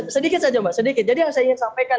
sedikit saja mbak sedikit jadi yang saya ingin sampaikan